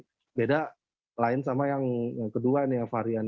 jadi beda lain sama yang lainnya tapi yang pertama itu merasakan drop badannya itu parah banget